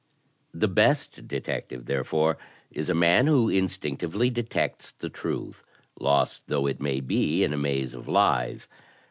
"The best detective, therefore, is a man who instinctively detects the truth, lost though it may be in a maze of lies.